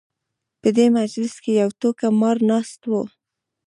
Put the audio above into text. په دې مجلس کې یو ټوکه مار ناست و.